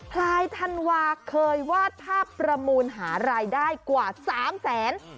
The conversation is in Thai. พลายธันวาเคยวาดภาพประมูลหารายได้กว่า๓แสน